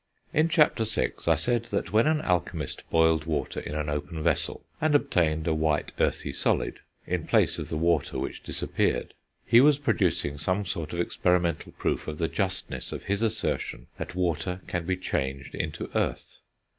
In Chapter VI., I said that when an alchemist boiled water in an open vessel, and obtained a white earthy solid, in place of the water which disappeared, he was producing some sort of experimental proof of the justness of his assertion that water can be changed into earth.